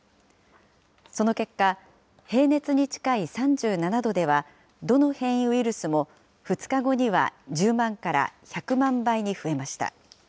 その結果、平熱に近い３７度では、どの変異ウイルスも、２日後には１０万から１００万倍に増えました。